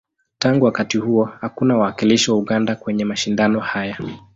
Tangu wakati huo, hakuna wawakilishi wa Uganda kwenye mashindano haya.